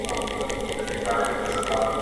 د هغه ليکنه خورا روانه ده.